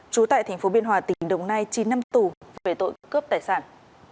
trú tại tp biên hòa tỉnh đồng nai chín năm tù về tội cướp tài sản